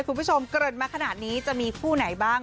คุณผู้ชมเกิดมาขนาดนี้จะมีคู่ไหนบ้าง